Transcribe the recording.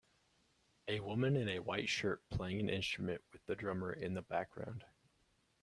A woman in a white shirt playing an instrument with the drummer in the background.